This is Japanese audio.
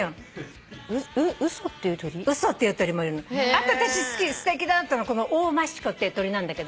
あと私すてきだなっていうのこのオオマシコっていう鳥なんだけど。